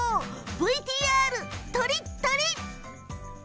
ＶＴＲ、とりっとり！